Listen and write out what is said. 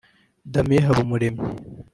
Damien Habumuremyi